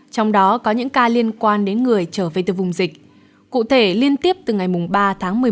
trong đó có những ca liên quan đến người trở về từ vùng dịch cụ thể liên tiếp từ ngày ba tháng